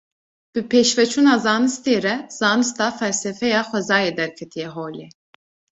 Bi pêşveçûna zanistê re, zanista felsefeya xwezayê derketiye holê